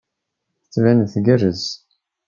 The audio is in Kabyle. Tettban-d tgerrez.